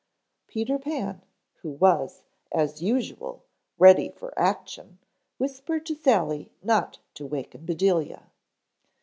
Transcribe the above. Peter Pan, who was, as usual, ready for action, whispered to Sally not to waken Bedelia.